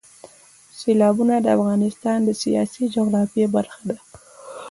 سیلابونه د افغانستان د سیاسي جغرافیه برخه ده.